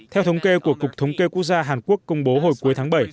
theo thống kê của cục thống kê quốc gia hàn quốc công bố hồi cuối tháng bảy